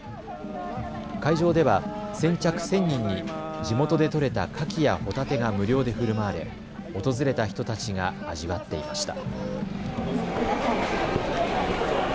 会場では先着１０００人に地元で取れたカキやホタテが無料でふるまわれ訪れた人たちが味わっていました。